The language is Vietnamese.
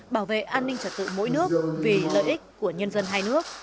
bảo vệ an ninh trật tự mỗi nước vì lợi ích của nhân dân hai nước